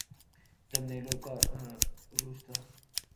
جب نیلو کا عروج تھا۔